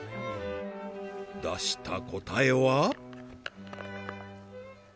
出した答えは？